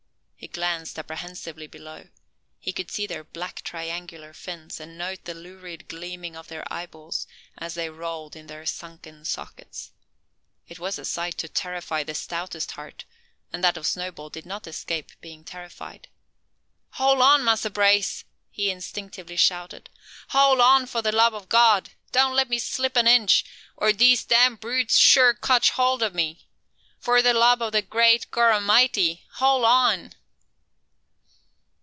He glanced apprehensively below. He could see their black triangular fins, and note the lurid gleaming of their eyeballs, as they rolled in their sunken sockets. It was a sight to terrify the stoutest heart; and that of Snowball did not escape being terrified. "Hole on, Massa Brace!" he instinctively shouted. "Hole on, for de lub o' God! Doan't leab me slip an inch, or dese dam brute sure cotch hold ob me! Fo' de lub o' de great Gorramity, hole on!"